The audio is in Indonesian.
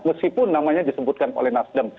meskipun namanya disebutkan oleh nasdem